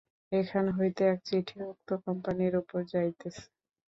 এখান হইতে এক চিঠি উক্ত কোম্পানীর উপর যাইতেছে।